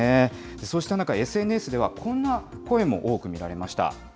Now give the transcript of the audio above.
そうした中、ＳＮＳではこんな声も多く見られました。